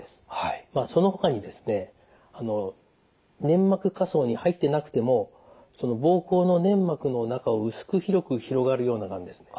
そのほかにですね粘膜下層に入ってなくてもその膀胱の粘膜の中を薄く広く広がるようながんですね。